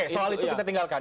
soal itu kita tinggalkan